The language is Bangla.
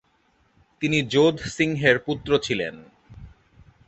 তিনি যোধ সিংহের পুত্র ছিলেন।